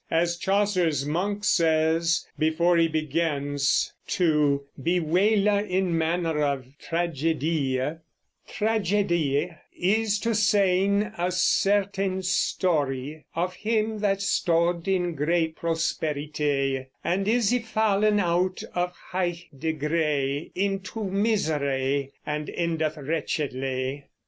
As Chaucer's monk says, before he begins to "biwayle in maner of tragedie": Tragedie is to seyn a certeyn storie Of him that stood in great prosperitee, And is y fallen out of heigh degree Into miserie, and endeth wrecchedly.